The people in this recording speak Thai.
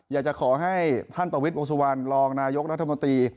อยากจะขอให้ท่านตวิทย์โบสถ์วันรองนายกรัฐมนตรี